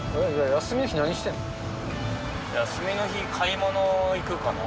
休みの日、買い物行くかな。